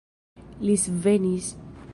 Li svenis.